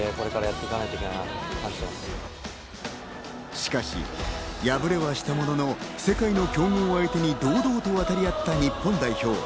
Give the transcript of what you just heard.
しかし、敗れはしたものの、世界の強豪相手に堂々と渡り合った日本代表。